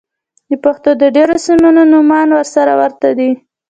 د پښتنو د ډېرو سيمو نومان سره ورته دي.